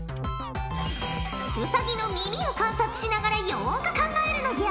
ウサギの耳を観察しながらよく考えるのじゃ。